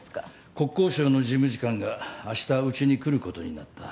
国交省の事務次官があしたうちに来ることになった。